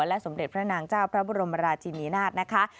และสมเด็จพระนางเจ้าพระบรมราชินีนาฏนะคะ